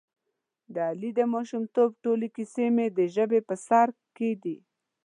د علي د ماشومتوب ټولې کیسې مې د ژبې په سر کې دي.